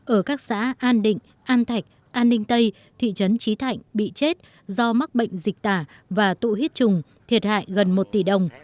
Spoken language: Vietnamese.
ở các xã an định an thạch an ninh tây thị trấn trí thạnh bị chết do mắc bệnh dịch tả và tụ huyết trùng thiệt hại gần một tỷ đồng